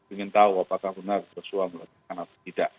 ingin tahu apakah benar joshua melakukan atau tidak